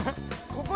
ここ！